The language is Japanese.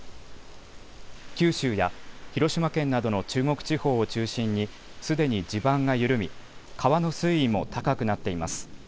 九州や広島県などの中国地方を中心に、すでに地盤が緩み、川の水位も高くなっています。